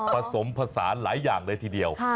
ผสมผสานหลายอย่างเลยทีเดียว